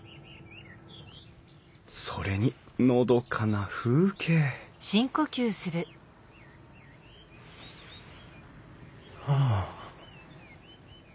それにのどかな風景はあ。